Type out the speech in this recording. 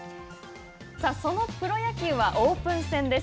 そのプロ野球はオープン戦です。